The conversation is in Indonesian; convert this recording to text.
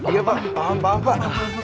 iya pak paham paham pak